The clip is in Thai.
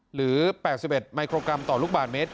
หรือ๘๑มิโครกรัมต่อลูกบาทเมตร